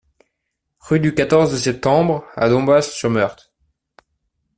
Rue du quatorze Septembre à Dombasle-sur-Meurthe